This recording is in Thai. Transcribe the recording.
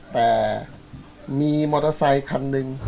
แต่มีมอเตอร์ไซคันหนึ่ง